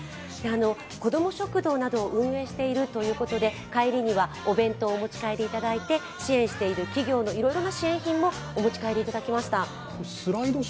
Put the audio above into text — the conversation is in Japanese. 子ども食堂などを運営しているということで帰りにはお弁当を持ち帰りいただいて支援している企業のいろいろな支援品もお持ち帰りいただきました。